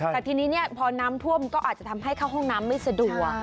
แต่ทีนี้พอน้ำท่วมก็อาจจะทำให้เข้าห้องน้ำไม่สะดวก